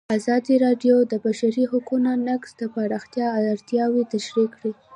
ازادي راډیو د د بشري حقونو نقض د پراختیا اړتیاوې تشریح کړي.